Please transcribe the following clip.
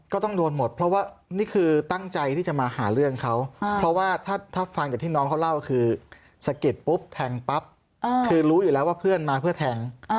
ก็ต้องโดนหมดเพราะว่านี่คือตั้งใจที่จะมาหาเรื่องเขาเพราะว่าถ้าฟังจากที่น้องเขาเล่าคือสะเก็ดปุ๊บแทงปั๊บคือรู้อยู่แล้วว่าเพื่อนมาเพื่อแทง